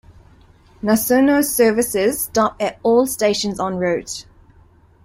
"Nasuno" services stop at all stations en route.